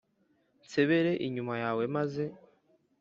Nsebere inyuma yawe maze